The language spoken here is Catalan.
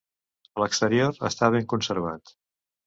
L'exterior està ben conservat.